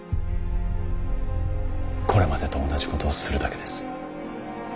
これまでと同じことをするだけです。